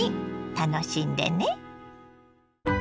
楽しんでね。